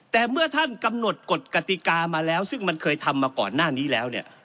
แต่เมื่อท่านกำหนดกฎกติกามาแล้วซึ่งมันเคยทำมาก่อนหน้านี้แล้วเนี่ย